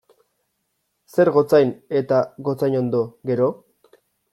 Zer gotzain eta gotzainondo, gero?